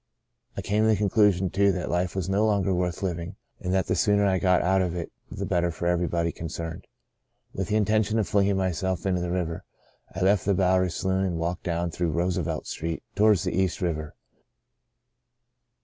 I came to the con clusion, too, that life was no longer worth living and that the sooner I got out of it the better for everybody concerned. With the intention of flinging myself into the river, I left the Bowery saloon and walked down through Roosevelt Street towards the East River.